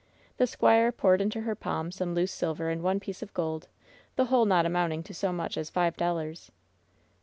The squire poured into her palm some loose silver and one piece of gold — ^the whole not amounting to so much as fiye dollars.